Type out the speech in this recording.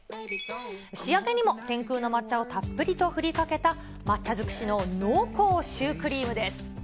仕上げにも天空の抹茶をたっぷりとふりかけた、抹茶づくしの濃厚シュークリームです。